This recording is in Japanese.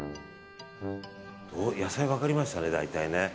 野菜分かりましたね、大体ね。